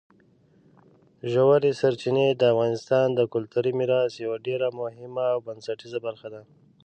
ژورې سرچینې د افغانستان د کلتوري میراث یوه ډېره مهمه او بنسټیزه برخه ده.